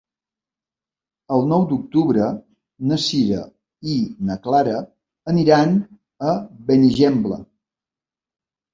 El nou d'octubre na Sira i na Clara aniran a Benigembla.